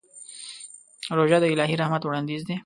روژه د الهي رحمت وړاندیز دی.